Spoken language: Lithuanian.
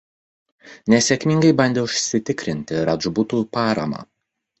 Nesėkmingai bandė užsitikrinti radžputų paramą.